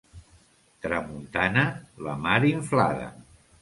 Tramuntana, la mar inflada.